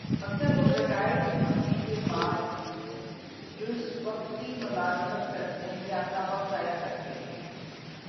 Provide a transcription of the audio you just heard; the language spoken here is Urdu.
اکثر لوگ ریٹائر ہونے کے بعد جزوقتی ملازمت کرتے ہیں یا اپنا وقت ضائع کرتے ہیں